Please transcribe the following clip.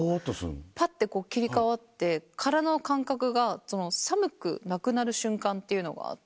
パッて切り替わってからの感覚が寒くなくなる瞬間っていうのがあって。